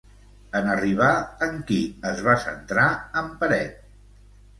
En arribar, en qui es va centrar en Peret?